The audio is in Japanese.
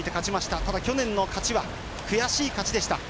ただ去年の勝ちは悔しい勝ちでした。